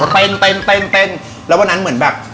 เป็น